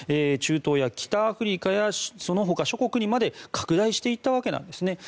中東や北アフリカやその他諸国にまで拡大していったわけです。